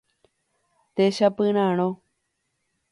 Techapyrãrõ.